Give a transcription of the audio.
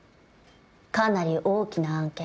かなり大きな案件